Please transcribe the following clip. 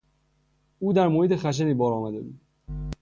او در محیط خشنی بار آمده بود.